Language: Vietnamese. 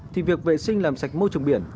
thì việc vệ sinh làm sạch môi trường biển